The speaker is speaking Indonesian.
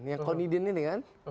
yang konidin ini kan